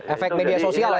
efek media sosial ya